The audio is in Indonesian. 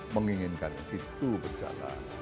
menginginkan itu berjalan